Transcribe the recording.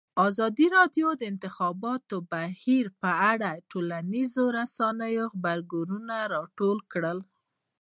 ازادي راډیو د د انتخاباتو بهیر په اړه د ټولنیزو رسنیو غبرګونونه راټول کړي.